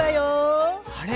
あれ？